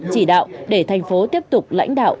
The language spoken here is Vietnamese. chỉ đạo để thành phố tiếp tục lãnh đạo